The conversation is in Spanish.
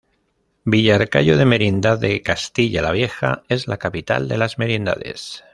Villarcayo de Merindad de Castilla la Vieja es la capital de Las Merindades.